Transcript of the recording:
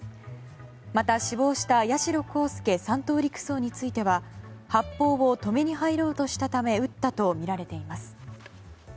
また、死亡した八代航佑３等陸曹については発砲を止めに入ろうとしたため撃ったとみられています。